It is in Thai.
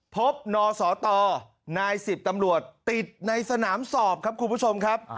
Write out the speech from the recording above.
นสตนาย๑๐ตำรวจติดในสนามสอบครับคุณผู้ชมครับ